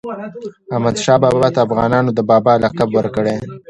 احمدشاه بابا ته افغانانو د "بابا" لقب ورکړی.